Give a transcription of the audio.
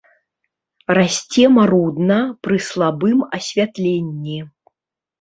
Расце марудна, пры слабым асвятленні.